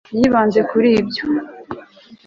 yibanze kuri ibyo